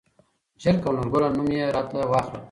زر کوه نورګله نوم يې راته واخله.